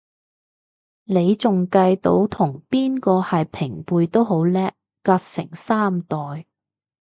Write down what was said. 你仲計到同邊個係平輩都好叻，隔成三代